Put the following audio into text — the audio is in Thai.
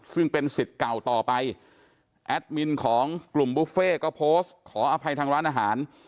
ซึ่งเป็นสิทธิ์เก่าต่อไปแอดมินของกลุ่มบุฟเฟ่ก็โพสต์ขออภัยทางร้านอาหาร